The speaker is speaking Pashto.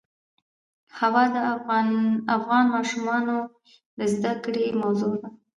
هوا د افغان ماشومانو د زده کړې موضوع ده.